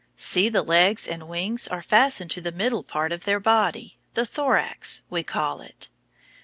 See, the legs and wings are fastened to the middle part of the body, the thorax, we call it.